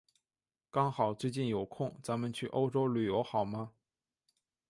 刚好最近有空，咱们去欧洲旅游好吗？